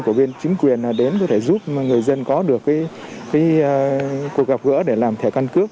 của bên chính quyền đến để giúp người dân có được cái cuộc gặp gỡ để làm thẻ căn cứ